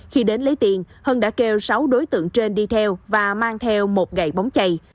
khi đến lấy tiền hân đã kêu sáu đối tượng trên đi theo và mang theo một gậy bóng chay